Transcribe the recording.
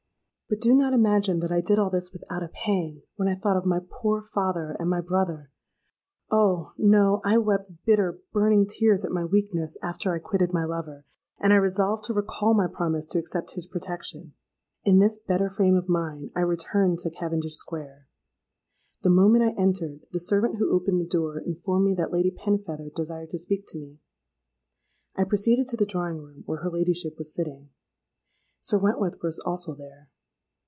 "But do not imagine that I did all this without a pang, when I thought of my poor father and my brother! Oh! no—I wept bitter, burning tears at my weakness, after I quitted my lover; and I resolved to recall my promise to accept his protection. In this better frame of mind I returned to Cavendish Square. The moment I entered, the servant who opened the door informed me that Lady Penfeather desired to speak to me. I proceeded to the drawing room, where her ladyship was sitting. Sir Wentworth was also there.